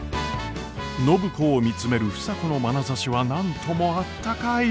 暢子を見つめる房子のまなざしは何ともあったかい。